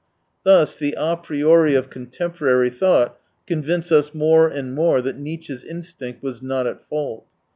Thus, the a priori of contemporary thought convince us more and more that Nietzsche's instinct was not at fa.ult.